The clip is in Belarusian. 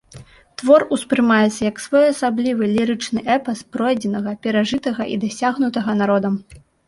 Твор успрымаецца як своеасаблівы лірычны эпас пройдзенага, перажытага і дасягнутага народам.